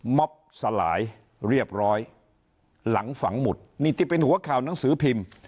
ม็อบสลายเรียบร้อยหลังฝังหมุดนี่ที่เป็นหัวข่าวหนังสือพิมพ์